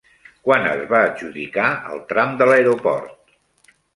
Quan es va adjudicar el tram de l'aeroport?